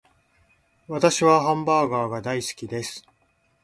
私はハンバーガーが大好きです